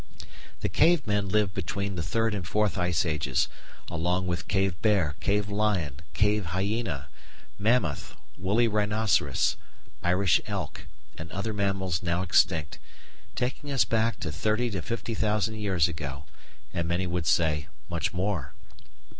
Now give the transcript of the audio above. The "Cave men" lived between the third and fourth Ice Ages, along with cave bear, cave lion, cave hyæna, mammoth, woolly rhinoceros, Irish elk, and other mammals now extinct taking us back to 30,000 50,000 years ago, and many would say much more.